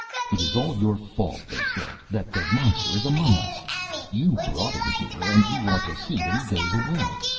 "It is all your fault," they said, "that that monster is among us. You brought him here, and you ought to see that he goes away.